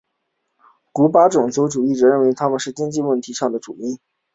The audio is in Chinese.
古巴种族主义者认为他们是经济问题的主因。